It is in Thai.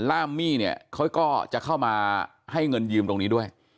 ล่ามมี่เนี่ยเขาก็จะเข้ามาให้เงินยืมตรงนี้ด้วย